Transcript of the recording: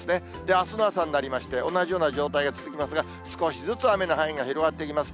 あすの朝になりまして、同じような状態が続きますが、少しずつ雨の範囲が広がっていきます。